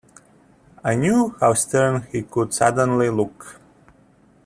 I knew how stern he could suddenly look.